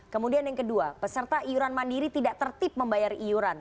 kemudian yang kedua peserta iuran mandiri tidak tertip membayar iuran